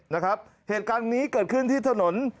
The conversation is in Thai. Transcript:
นะครับเหตุการณ์นี้เกิดขึ้นที่ถนน